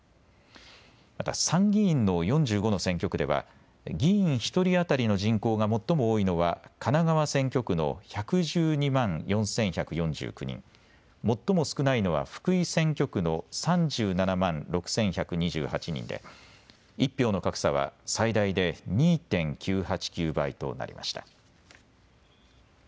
また参議院の４５の選挙区では議員１人当たりの人口が最も多いのは神奈川選挙区の１１２万４１４９人、最も少ないのは福井選挙区の３７万６１２８人で１票の格差は最大で２．９８９倍となりました。